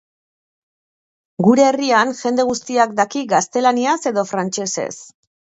Gure herrian jende guztiak daki gaztelaniaz edo frantsesez.